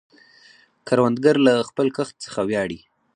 کروندګر له خپل کښت څخه ویاړي